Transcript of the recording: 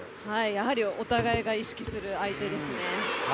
やはりお互いが意識する相手ですね。